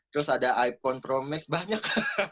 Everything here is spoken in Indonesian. terus ada iphone pro max banyak